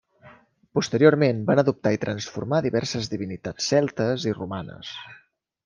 Posteriorment van adoptar i transformar diverses divinitats celtes i romanes.